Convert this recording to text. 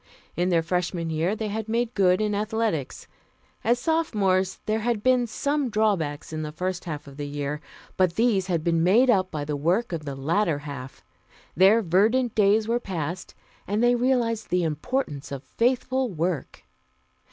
In their Freshman year they had made good in athletics. As Sophomores, there had been some drawbacks in the first half of the year, but these had been made up by the work of the latter half. Their "verdant days" were past, and they realized the importance of faithful work.